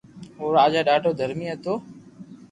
او راجا ڌاڌو درھمي ھتو